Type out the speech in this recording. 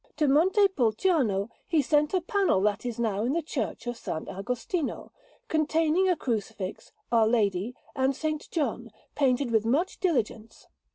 To Montepulciano he sent a panel that is now in the Church of S. Agostino, containing a Crucifix, Our Lady, and S. John, painted with much diligence.